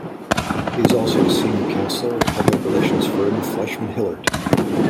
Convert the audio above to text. He is also a senior counselor at public relations firm Fleishman-Hillard.